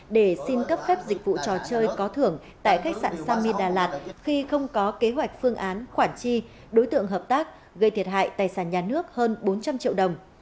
để xin cấp phép dịch vụ trò chơi có thưởng tại khách sạn sami đà lạt khi không có kế hoạch phương án khoản chi đối tượng hợp tác gây thiệt hại tài sản nhà nước hơn bốn trăm linh triệu đồng